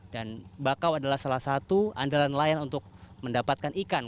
dan bakau adalah salah satu andalan nelayan untuk mendapatkan ikan